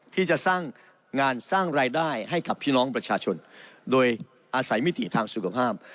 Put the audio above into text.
ที่จะสร้างงานสร้างรายได้ให้กับพี่น้องประชาชนโดยอาศัยมิติทางสุขภาพ